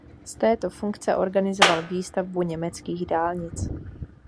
Z této funkce organizoval výstavbu německých dálnic.